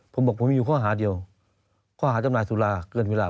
ผมบอกผมมีอยู่ข้อหาเดียวข้อหาจำหน่ายสุราเกินเวลา